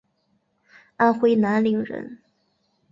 安徽南陵人。